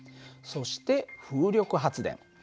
そして風力発電。